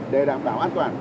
để đảm bảo an toàn